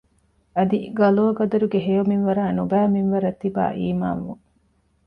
އަދި ޤަޟާ ޤަދަރުގެ ހެޔޮ މިންވަރާއި ނުބައި މިންވަރަށް ތިބާ އީމާން ވުން